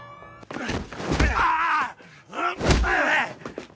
うっ！